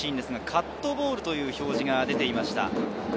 カットボールと表示が出ていました。